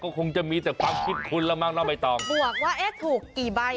ก็คงจะมีแต่ความคิดคุ้นแล้วมั้งน้องใบตองบวกว่าเอ๊ะถูกกี่ใบ